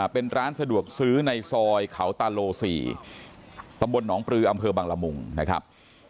เป็นร้านสะดวกซื้อในซอยเขาตาโล๔ตำบลหนองปลืออำเภอบังละมุงนะครับ